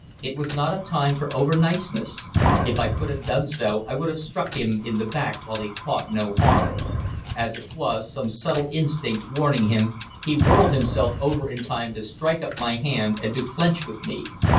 It was not a time for overniceness. If I could have done so, I would have struck him in the back while he thought no harm; as it was, some subtle instinct warning him, he whirled himself over in time to strike up my hand and to clench with me.